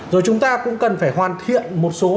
rồi chúng ta cũng cần phải hoàn thiện một số